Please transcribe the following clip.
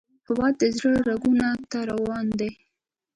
هیواد د زړه رګونو ته روان دی